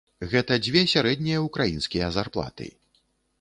Гэта дзве сярэднія ўкраінскія зарплаты.